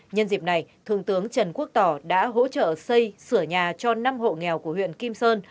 nhân dịp này thương tướng trần quốc tỏ đã hỗ trợ xây sửa nhà cho năm hộ nghèo của huyện kim sơn